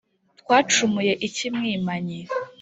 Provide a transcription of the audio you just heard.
Twacumuye iki mwimanyi